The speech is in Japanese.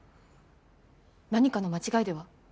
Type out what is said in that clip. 何かの間違いでは？